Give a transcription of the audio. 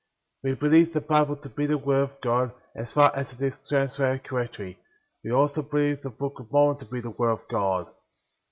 We believe the Bible to be the word of God, as far as it is translated correctly; we also believe the Book of Mormon to be the word of God.